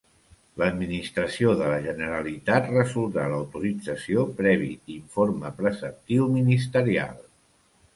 L'administració de la Generalitat resoldrà l'autorització previ informe preceptiu ministerial.